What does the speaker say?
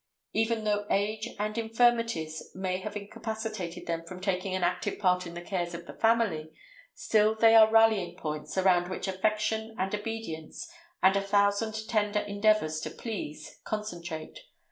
Even though age and infirmities may have incapacitated them from taking an active part in the cares of the family, still they are rallying points around which affection and obedience, and a thousand tender endeavors to please, concentrate.